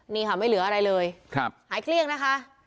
นี่ค่ะไม่เหลืออะไรเลยหายเกลี้ยงนะคะ